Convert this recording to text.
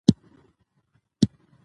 قانون د ادارې د کړنو لارښود دی.